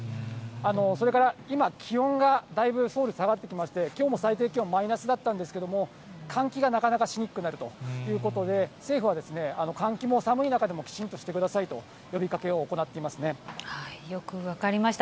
それから今、気温がだいぶ、ソウル下がってきまして、きょうも最低気温マイナスだったんですけど、換気がなかなかしにくくなるということで、政府は換気も、寒い中でもきちんとしてくださいと呼びかけを行っよく分かりました。